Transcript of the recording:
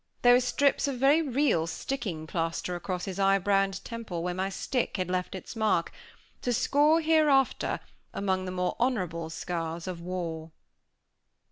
There were strips of very real sticking plaster across his eyebrow and temple, where my stick had left its mark, to score, hereafter, among the more honorable scars of war.